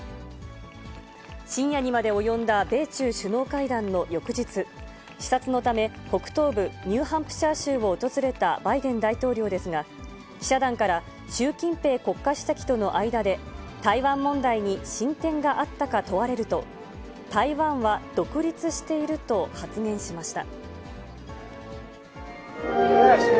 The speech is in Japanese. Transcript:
深夜にまで及んだ米中首脳会談の翌日、視察のため、北東部ニューハンプシャー州を訪れたバイデン大統領ですが、記者団から、習近平国家主席との間で台湾問題に進展があったか問われると、台湾は独立していると発言しました。